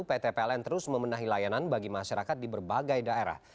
pt pln terus membenahi layanan bagi masyarakat di berbagai daerah